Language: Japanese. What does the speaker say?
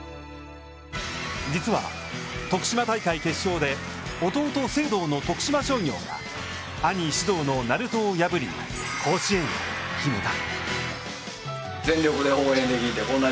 実は、徳島大会決勝で、弟・成憧の徳島商業が兄・至憧の鳴門を破り甲子園を決めた。